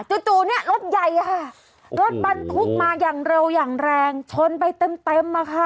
จู่รถใหญ่ค่ะรถบันทุกค์มาเร็วเร็งโชนไปเต็มมาค่ะ